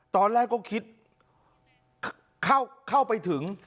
ตอนแรกก็คิดเข้าไปถึง